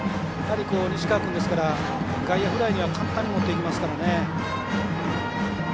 西川君ですから、外野フライには簡単に持っていきますからね。